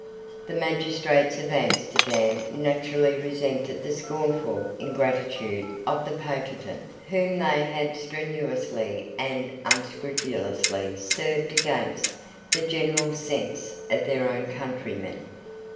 The magistrates of Amsterdam naturally resented the scornful ingratitude of the potentate whom they had strenuously and unscrupulously served against the general sense of their own countrymen.